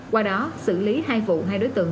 qua đó xử lý hai vụ hai đối tượng